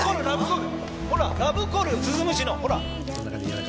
ほらラブコール鈴虫のほら。